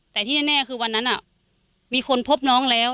แต่ที่แน่คือวันนั้นมีคนพบน้องแล้ว